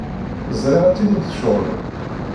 Ẓriɣ ad tilim tceɣlem.